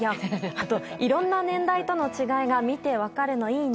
あと、いろんな年代との違いが見て分かるのいいね。